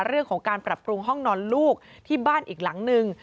เรื่องของการปรับปรุงห้องนอนลูกที่บ้านอีกหลังนึง